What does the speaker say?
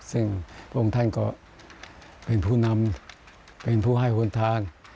ซึ่งพระองค์ท่านก็เป็นผู้นำเป็นผู้ให้คนทาน